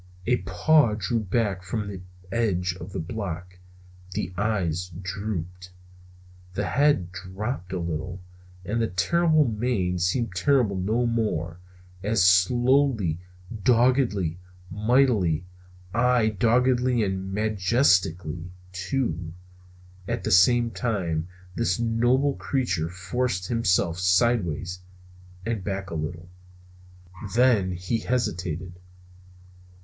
A paw drew back from the edge of the block, the eyes drooped, the head dropped a little, and the terrible mane seemed terrible no more, as slowly, doggedly, mightily, aye doggedly and majestically, too, at the same time, this noble creature forced himself sidewise and back a little. Then he hesitated.